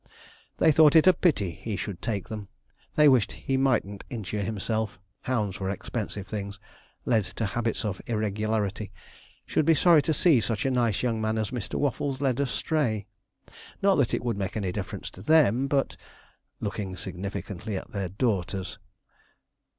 They thought it a pity he should take them. They wished he mightn't injure himself hounds were expensive things led to habits of irregularity should be sorry to see such a nice young man as Mr. Waffles led astray not that it would make any difference to them, but (looking significantly at their daughters).